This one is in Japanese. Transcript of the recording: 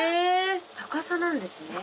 高さなんですね？